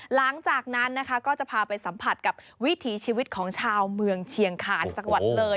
หลังจากนั้นนะคะก็จะพาไปสัมผัสกับวิถีชีวิตของชาวเมืองเชียงขานจังหวัดเลย